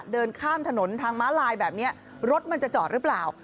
เดินข้ามถนนทางม้าลายแบบนี้รถมันจะจอดหรือเปล่า